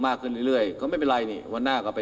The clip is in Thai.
นายยกรัฐมนตรีพบกับทัพนักกีฬาที่กลับมาจากโอลิมปิก๒๐๑๖